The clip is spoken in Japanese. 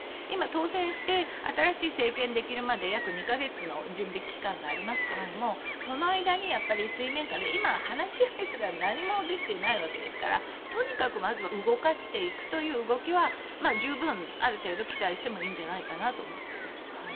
今、当選して新しい政権ができるまで約２か月の準備期間がありますけどもその間に水面下で今、話し合いすら何もできていないわけですからとにかくまずは動かしていくという動きは十分、ある程度期待してもいいんじゃないかなと思っています。